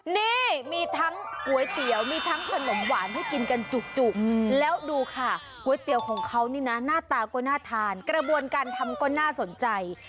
นี่มีทั้งก๋วยเตี๋ยวมีทั้งขนมหวานให้กินกันจุกแล้วดูค่ะก๋วยเตี๋ยวของเขานี่นะหน้าตาก็น่าทานกระบวนการทำก็น่าสนใจ